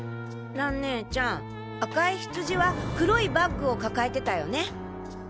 蘭ねえちゃん赤いヒツジは黒いバッグを抱えてたよね？